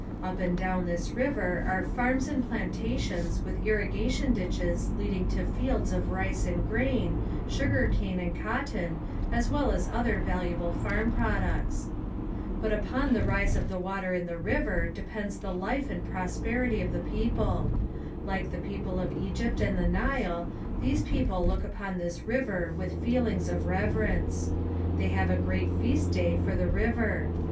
Up and down this river are farms and plantations with irrigation ditches leading to fields of rice and grain, sugar cane and cotton as well as other valuable farm products. But upon the rise of the water in the river depends the life and prosperity of the people. Like the people of Egypt and the Nile, these people look upon this river with feelings of reverence. They have a great feast day for the river.